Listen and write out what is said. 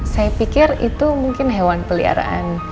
saya pikir itu mungkin hewan peliharaan